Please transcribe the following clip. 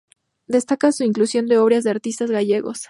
Destaca su inclusión de obras de artistas gallegos.